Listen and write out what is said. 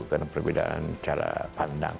karena perbedaan cara pandang